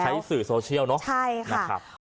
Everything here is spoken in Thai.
ใช้สื่อโซเชียลเนอะใช่ค่ะนะครับ